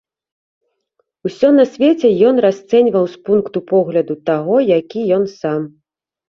Усё на свеце ён расцэньваў з пункту погляду таго, які ён сам.